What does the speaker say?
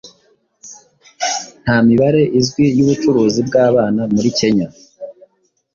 nta mibare izwi y'ubucuruzi bw'abana muri kenya